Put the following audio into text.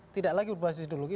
tidak lagi berbahasa ideologi